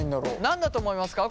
何だと思いますか？